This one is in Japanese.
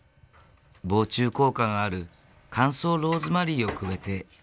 防虫効果がある乾燥ローズマリーをくべて火をたく。